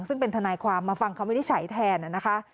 ซึ่งเป็นธนายความมาฟังเขาไม่ได้ใช้แทนนะคะ